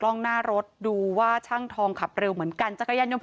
กล้องหน้ารถดูว่าช่างทองขับเร็วเหมือนกันจักรยานยนต์